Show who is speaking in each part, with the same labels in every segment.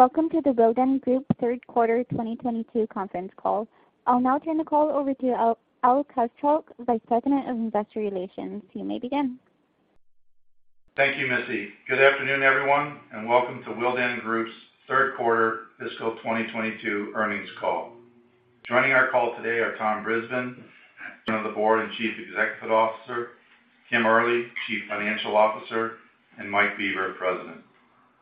Speaker 1: Welcome to the Willdan Group third quarter 2022 conference call. I'll now turn the call over to Al Kaschalk, Vice President of Investor Relations. You may begin.
Speaker 2: Thank you, Missy. Good afternoon, everyone, and welcome to Willdan Group's third quarter fiscal 2022 earnings call. Joining our call today are Tom Brisbin, Chairman of the Board and Chief Executive Officer, Kim Early, Chief Financial Officer, and Mike Bieber, President.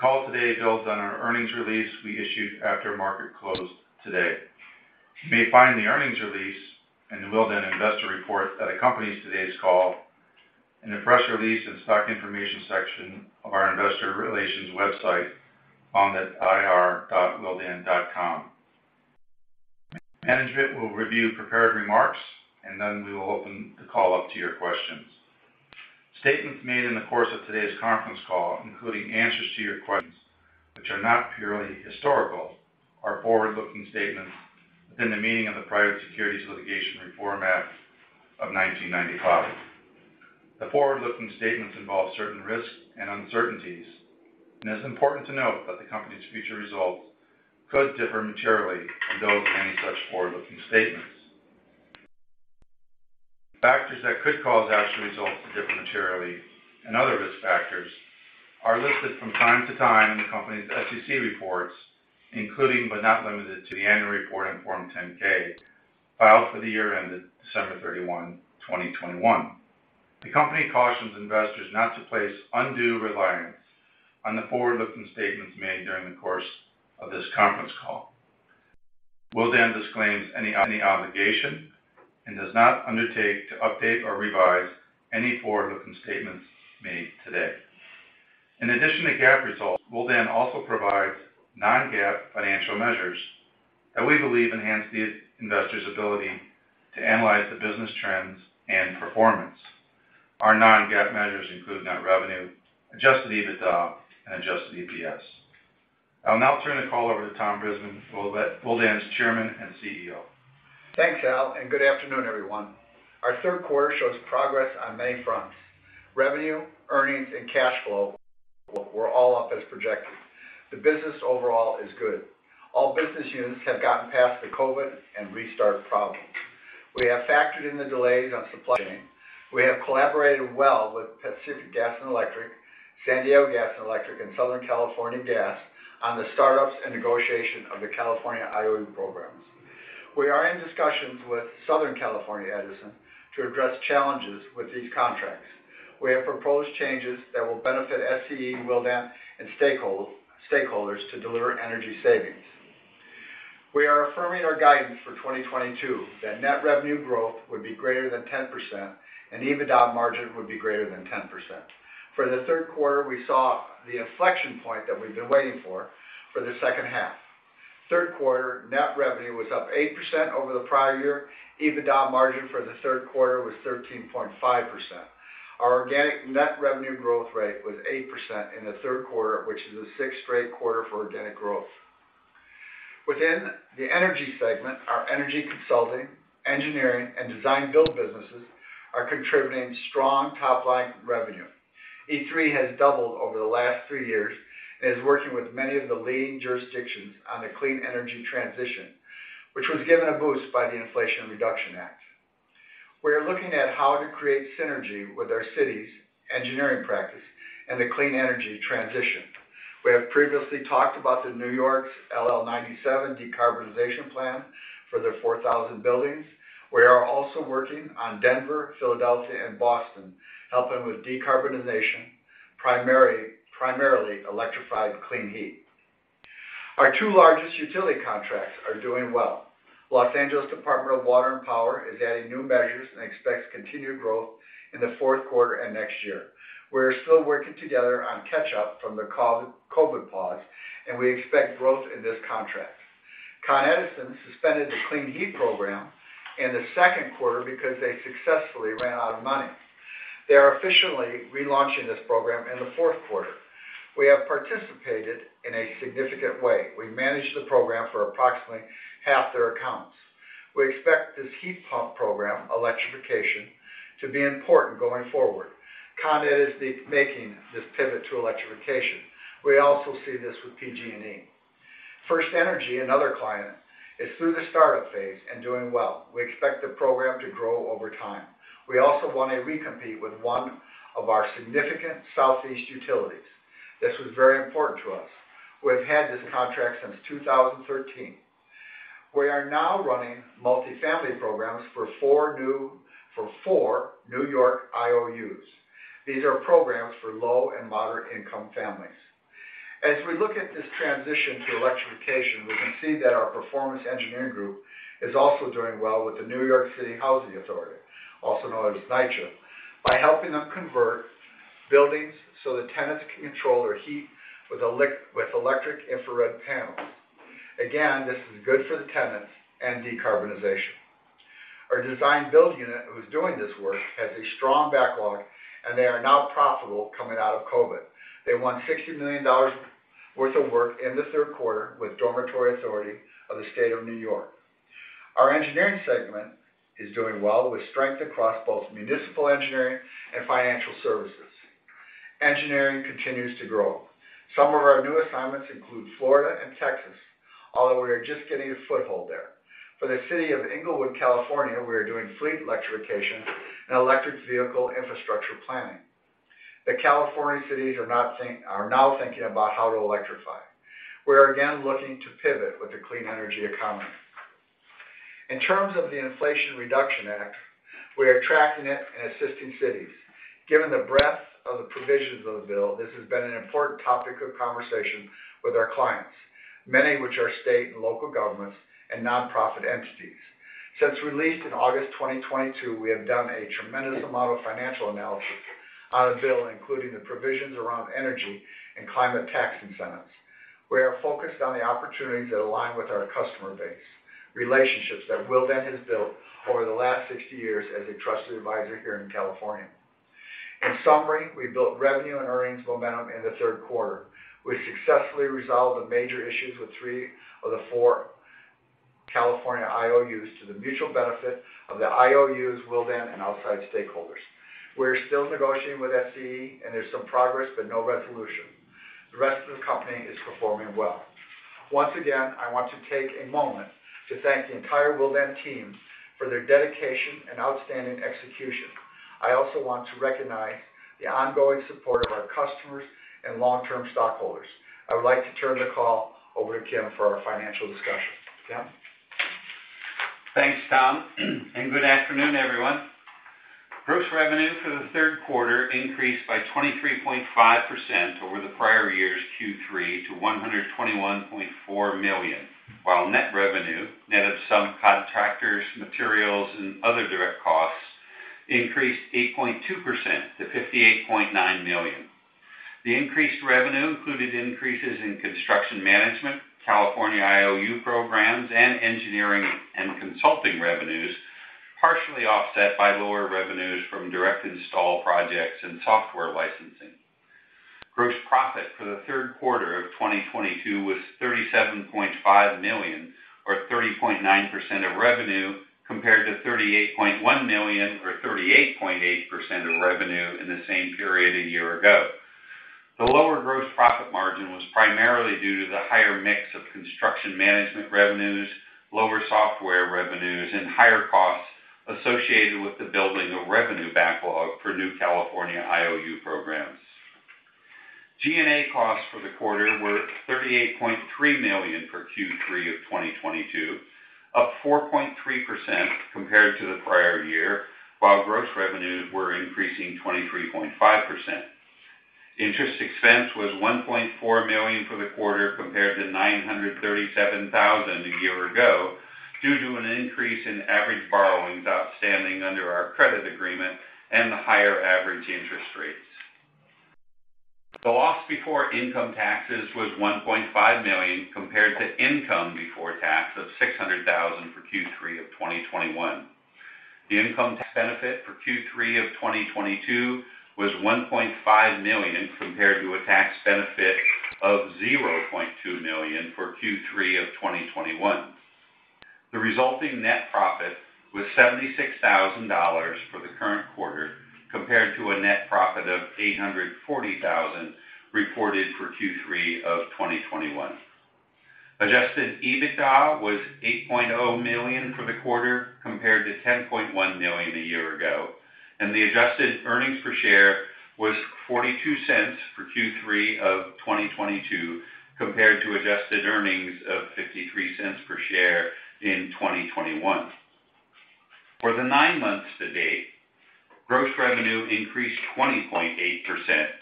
Speaker 2: The call today builds on our earnings release we issued after market closed today. You may find the earnings release and the Willdan investor report that accompanies today's call in the press release and stock information section of our investor relations website on the ir.willdangroup.com. Management will review prepared remarks, and then we will open the call up to your questions. Statements made in the course of today's conference call, including answers to your questions which are not purely historical, are forward-looking statements within the meaning of the Private Securities Litigation Reform Act of 1995. The forward-looking statements involve certain risks and uncertainties, and it's important to note that the company's future results could differ materially from those of any such forward-looking statements. Factors that could cause actual results to differ materially and other risk factors are listed from time to time in the company's SEC reports, including but not limited to the annual report in Form 10-K filed for the year ended December 31, 2021. The company cautions investors not to place undue reliance on the forward-looking statements made during the course of this conference call. Willdan disclaims any obligation and does not undertake to update or revise any forward-looking statements made today. In addition to GAAP results, Willdan also provides non-GAAP financial measures that we believe enhance the investors' ability to analyze the business trends and performance. Our non-GAAP measures include net revenue, Adjusted EBITDA, and adjusted EPS. I'll now turn the call over to Tom Brisbin, Willdan's Chairman and CEO.
Speaker 3: Thanks, Al, and good afternoon, everyone. Our third quarter shows progress on many fronts. Revenue, earnings, and cash flow were all up as projected. The business overall is good. All business units have gotten past the COVID and restart problems. We have factored in the delays on supply chain. We have collaborated well with Pacific Gas & Electric, San Diego Gas & Electric, and Southern California Gas on the startups and negotiation of the California IOU programs. We are in discussions with Southern California Edison to address challenges with these contracts. We have proposed changes that will benefit SCE, Willdan, and stakeholders to deliver energy savings. We are affirming our guidance for 2022 that net revenue growth would be greater than 10% and EBITDA margin would be greater than 10%. For the third quarter, we saw the inflection point that we've been waiting for the second half. Third quarter net revenue was up 8% over the prior year. EBITDA margin for the third quarter was 13.5%. Our organic net revenue growth rate was 8% in the third quarter, which is the sixth straight quarter for organic growth. Within the energy segment, our energy consulting, engineering, and design build businesses are contributing strong top-line revenue. E3 has doubled over the last three years and is working with many of the leading jurisdictions on the clean energy transition, which was given a boost by the Inflation Reduction Act. We are looking at how to create synergy with our city's engineering practice and the clean energy transition. We have previously talked about New York's Local Law 97 decarbonization plan for their 4,000 buildings. We are also working on Denver, Philadelphia, and Boston, helping with decarbonization, primarily electrified clean heat. Our two largest utility contracts are doing well. Los Angeles Department of Water and Power is adding new measures and expects continued growth in the fourth quarter and next year. We're still working together on catch-up from the COVID pause, and we expect growth in this contract. Con Edison suspended the clean heat program in the second quarter because they successfully ran out of money. They are officially relaunching this program in the fourth quarter. We have participated in a significant way. We managed the program for approximately half their accounts. We expect this heat pump program, electrification, to be important going forward. Con Ed is making this pivot to electrification. We also see this with PG&E. FirstEnergy, another client, is through the startup phase and doing well. We expect the program to grow over time. We also won a recompete with one of our significant Southeast utilities. This was very important to us. We've had this contract since 2013. We are now running multi-family programs for four New York IOUs. These are programs for low and moderate-income families. As we look at this transition to electrification, we can see that our performance engineering group is also doing well with the New York City Housing Authority, also known as NYCHA, by helping them convert buildings so the tenants can control their heat with electric infrared panels. Again, this is good for the tenants and decarbonization. Our design build unit who's doing this work has a strong backlog, and they are now profitable coming out of COVID. They won $60 million worth of work in the third quarter with Dormitory Authority of the State of New York. Our engineering segment is doing well with strength across both municipal engineering and financial services. Engineering continues to grow. Some of our new assignments include Florida and Texas, although we are just getting a foothold there. For the city of Inglewood, California, we are doing fleet electrification and electric vehicle infrastructure planning. The California cities are now thinking about how to electrify. We are again looking to pivot with the clean energy economy. In terms of the Inflation Reduction Act, we are tracking it and assisting cities. Given the breadth of the provisions of the bill, this has been an important topic of conversation with our clients, many of which are state and local governments and nonprofit entities. Since release in August 2022, we have done a tremendous amount of financial analysis on the bill, including the provisions around energy and climate tax incentives. We are focused on the opportunities that align with our customer base, relationships that Willdan has built over the last 60 years as a trusted advisor here in California. In summary, we built revenue and earnings momentum in the third quarter. We successfully resolved the major issues with three of the four California IOUs to the mutual benefit of the IOUs, Willdan, and outside stakeholders. We're still negotiating with SCE, and there's some progress but no resolution. The rest of the company is performing well. Once again, I want to take a moment to thank the entire Willdan team for their dedication and outstanding execution. I also want to recognize the ongoing support of our customers and long-term stockholders. I would like to turn the call over to Kim for our financial discussion. Kim?
Speaker 4: Thanks, Tom, and good afternoon, everyone. Gross revenue for the third quarter increased by 23.5% over the prior year's Q3 to $121.4 million, while net revenue, net of some contractors, materials, and other direct costs, increased 8.2% to $58.9 million. The increased revenue included increases in construction management, California IOU programs, and engineering and consulting revenues, partially offset by lower revenues from direct install projects and software licensing. Gross profit for the third quarter of 2022 was $37.5 million or 30.9% of revenue, compared to $38.1 million or 38.8% of revenue in the same period a year ago. The lower gross profit margin was primarily due to the higher mix of construction management revenues, lower software revenues, and higher costs associated with the building of revenue backlog for new California IOU programs. G&A costs for the quarter were $38.3 million for Q3 of 2022, up 4.3% compared to the prior year, while gross revenues were increasing 23.5%. Interest expense was $1.4 million for the quarter compared to $937 thousand a year ago, due to an increase in average borrowings outstanding under our credit agreement and the higher average interest rates. The loss before income taxes was $1.5 million compared to income before tax of $600 thousand for Q3 of 2021. The income tax benefit for Q3 of 2022 was $1.5 million compared to a tax benefit of $0.2 million for Q3 of 2021. The resulting net profit was $76,000 for the current quarter compared to a net profit of $840,000 reported for Q3 of 2021. Adjusted EBITDA was $8.0 million for the quarter compared to $10.1 million a year ago, and the adjusted earnings per share was $0.42 for Q3 of 2022 compared to adjusted earnings of $0.53 per share in 2021. For the nine months to date, gross revenue increased 20.8%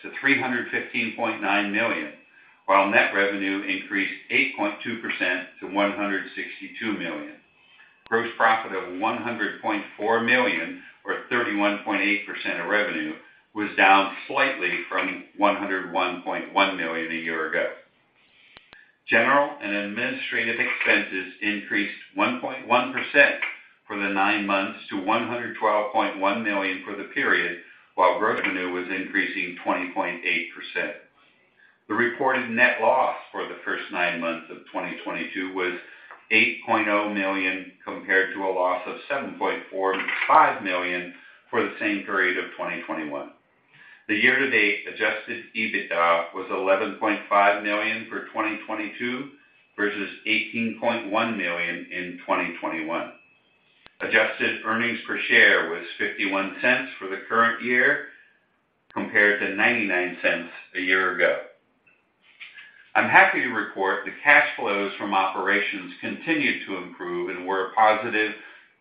Speaker 4: to $315.9 million, while net revenue increased 8.2% to $162 million. Gross profit of $100.4 million or 31.8% of revenue was down slightly from $101.1 million a year ago. General and administrative expenses increased 1.1% for the nine months to $112.1 million for the period, while revenue was increasing 20.8%. The reported net loss for the first nine months of 2022 was $8.0 million compared to a loss of $7.45 million for the same period of 2021. The year-to-date Adjusted EBITDA was $11.5 million for 2022 versus $18.1 million in 2021. Adjusted earnings per share was $0.51 for the current year compared to $0.99 a year ago. I'm happy to report the cash flows from operations continued to improve and were a positive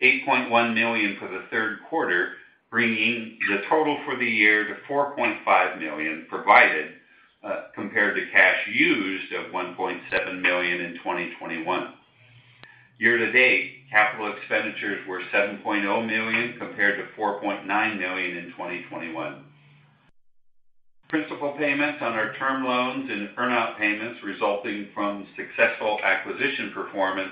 Speaker 4: $8.1 million for the third quarter, bringing the total for the year to $4.5 million positive, compared to cash used of $1.7 million in 2021. Year to date, capital expenditures were $7.0 million compared to $4.9 million in 2021. Principal payments on our term loans and earn out payments resulting from successful acquisition performance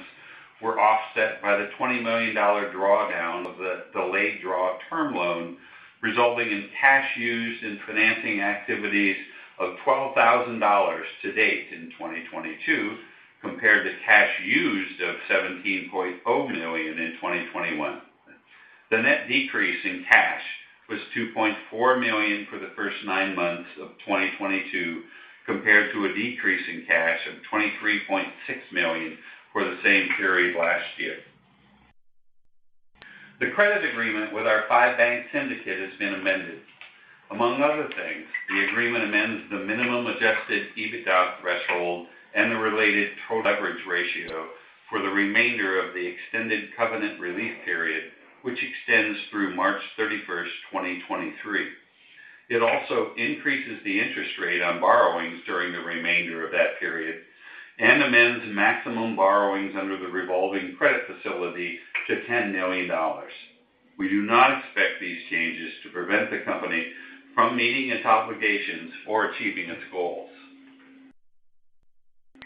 Speaker 4: were offset by the $20 million drawdown of the delayed draw term loan. Resulting in cash used in financing activities of $12,000 to date in 2022 compared to cash used of $17.0 million in 2021. The net decrease in cash was $2.4 million for the first nine months of 2022 compared to a decrease in cash of $23.6 million for the same period last year. The credit agreement with our five bank syndicate has been amended. Among other things, the agreement amends the minimum Adjusted EBITDA threshold and the related total leverage ratio for the remainder of the extended covenant relief period, which extends through March 31, 2023. It also increases the interest rate on borrowings during the remainder of that period and amends maximum borrowings under the revolving credit facility to $10 million. We do not expect these changes to prevent the company from meeting its obligations or achieving its goals.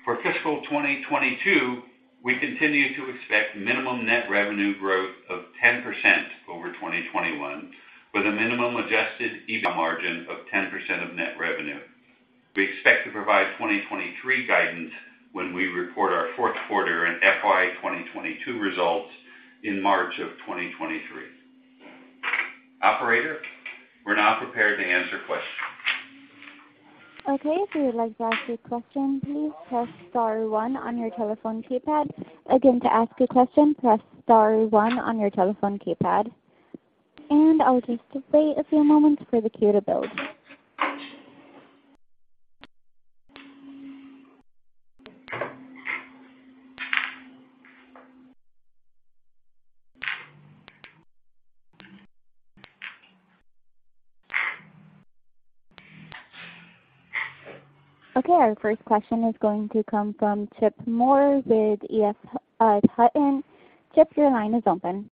Speaker 4: For fiscal 2022, we continue to expect minimum net revenue growth of 10% over 2021, with a minimum Adjusted EBITDA margin of 10% of net revenue. We expect to provide 2023 guidance when we report our fourth quarter and FY 2022 results in March 2023. Operator, we're now prepared to answer questions.
Speaker 1: Okay. If you would like to ask a question, please press star one on your telephone keypad. Again, to ask a question, press star one on your telephone keypad. I'll just wait a few moments for the queue to build. Okay, our first question is going to come from Chip Moore with EF Hutton. Chip, your line is open.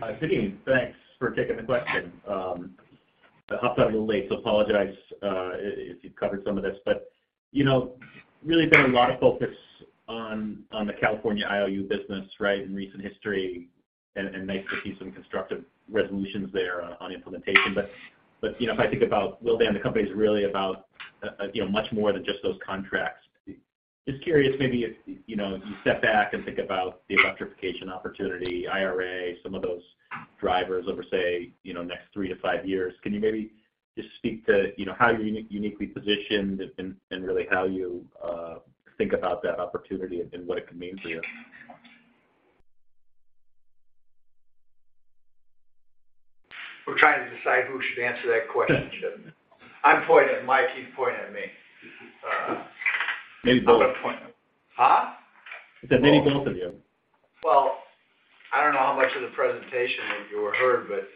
Speaker 5: Hi, Sadean. Thanks for taking the question. I hopped on a little late, so apologize if you've covered some of this. You know, really been a lot of focus on the California IOU business, right, in recent history and nice to see some constructive resolutions there on implementation. You know, if I think about Willdan, the company is really about, you know, much more than just those contracts. Just curious maybe if, you know, you step back and think about the electrification opportunity, IRA, some of those drivers over, say, you know, next three to five years. Can you maybe just speak to, you know, how you're uniquely positioned and really how you think about that opportunity and what it could mean for you?
Speaker 3: We're trying to decide who should answer that question, Chip. I'm pointing at Mike, he's pointing at me.
Speaker 6: Maybe both.
Speaker 3: Huh?
Speaker 6: I said maybe both of you.
Speaker 3: Well, I don't know how much of the presentation you heard, but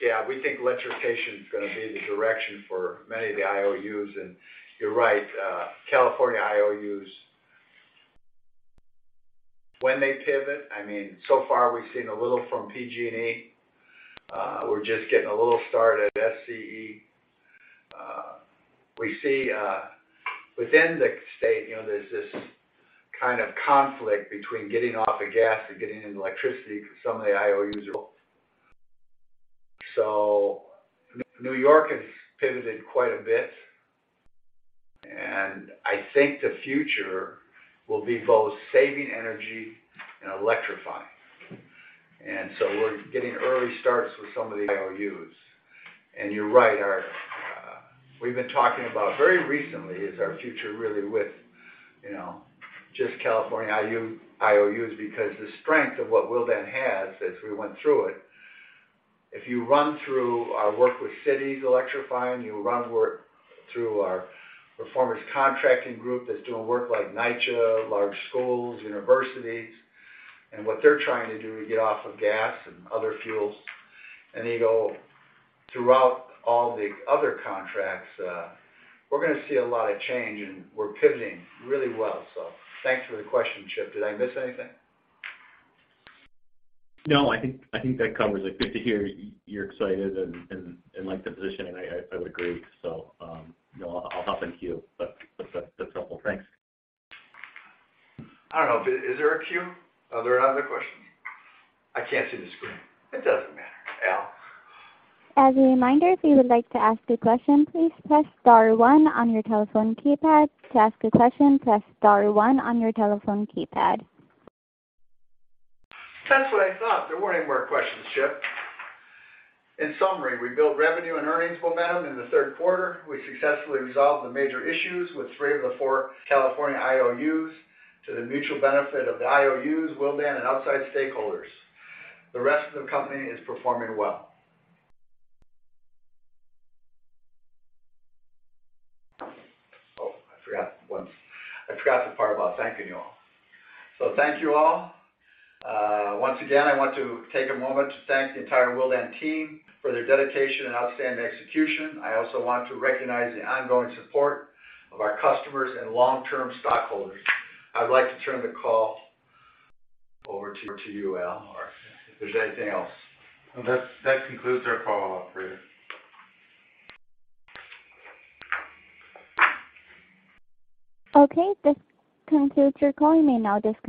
Speaker 3: yeah, we think electrification is gonna be the direction for many of the IOUs. You're right, California IOUs, when they pivot, I mean, so far we've seen a little from PG&E. We're just getting a little start at SCE. We see within the state, you know, there's this kind of conflict between getting off of gas and getting into electricity for some of the IOUs. New York has pivoted quite a bit, and I think the future will be both saving energy and electrifying. We're getting early starts with some of the IOUs. You're right, our, we've been talking about very recently is our future really with, you know, just California IOUs because the strength of what Willdan has as we went through it. If you run through our work with cities electrifying, you run work through our performance contracting group that's doing work like NYCHA, large schools, universities, and what they're trying to do to get off of gas and other fuels. You go throughout all the other contracts, we're gonna see a lot of change, and we're pivoting really well. Thanks for the question, Chip. Did I miss anything?
Speaker 5: No, I think that covers it. Good to hear you're excited and like the positioning. I would agree. You know, I'll hop in queue. That's helpful. Thanks.
Speaker 3: I don't know. Is there a queue? Are there other questions? I can't see the screen. It doesn't matter. Al?
Speaker 1: As a reminder, if you would like to ask a question, please press star one on your telephone keypad. To ask a question, press star one on your telephone keypad.
Speaker 3: That's what I thought. There weren't any more questions, Chip. In summary, we built revenue and earnings momentum in the third quarter. We successfully resolved the major issues with three of the four California IOUs to the mutual benefit of the IOUs, Willdan, and outside stakeholders. The rest of the company is performing well. Oh, I forgot one. I forgot the part about thanking you all. Thank you all. Once again, I want to take a moment to thank the entire Willdan team for their dedication and outstanding execution. I also want to recognize the ongoing support of our customers and long-term stockholders. I'd like to turn the call over to you, Al, or if there's anything else.
Speaker 2: That concludes our call, operator.
Speaker 1: Okay, this concludes your call. You may now disconnect.